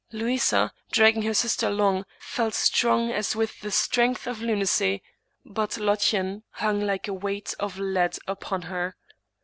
Louisa, dragging her sister along, felt strong as with the strength of lunacy, but Lottchen hung like a weight of lead upon her.